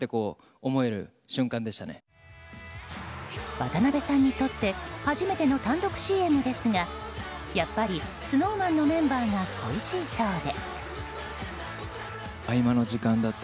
渡辺さんにとって初めての単独ＣＭですがやっぱりＳｎｏｗＭａｎのメンバーが恋しいそうで。